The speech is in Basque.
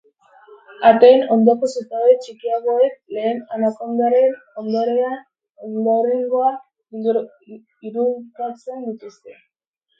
Ateen ondoko zutabe txikiagoek lehen Anakondaren ondorengoak irudikatzen dituzte.